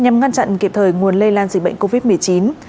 nhằm ngăn chặn kịp thời nguồn lây lan dịch bệnh covid một mươi chín